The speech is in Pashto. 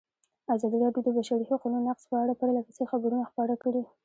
ازادي راډیو د د بشري حقونو نقض په اړه پرله پسې خبرونه خپاره کړي.